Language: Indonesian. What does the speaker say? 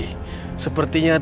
saya sudah ingin menemukan